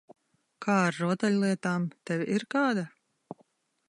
Kā ar rotaļlietām? Tev ir kāda?